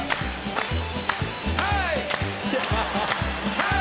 はい！